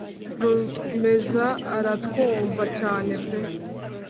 rumeza aratwumva, cyane pe